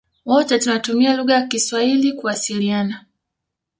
Wote tunatumia lugha ya kiswahili kuwasiliana